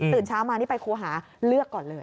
เช้ามานี่ไปครูหาเลือกก่อนเลย